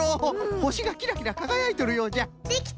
ほしがキラキラかがやいとるようじゃ。